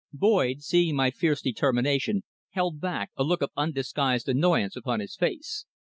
Boyd, seeing my fierce determination, held back, a look of undisguised annoyance upon his face.